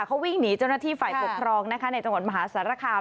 เขาวิ่งหนีเจ้าหน้าที่ฝ่ายปกครองนะคะในจังหวัดมหาสารคาม